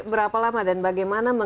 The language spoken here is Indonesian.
berapa lama dan bagaimana